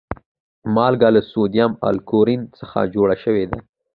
مالګه له سودیم او کلورین څخه جوړه شوی ده